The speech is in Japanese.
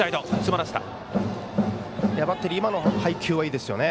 バッテリー今の配球はいいですね。